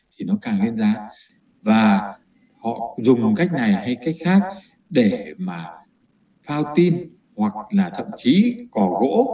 thì nó càng lên giá và họ dùng cách này hay cách khác để mà phao tin hoặc là thậm chí cỏ gỗ